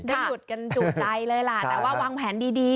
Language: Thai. หยุดกันจุใจเลยล่ะแต่ว่าวางแผนดี